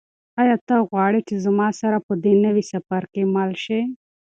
آیا ته غواړې چې زما سره په دې نوي سفر کې مل شې؟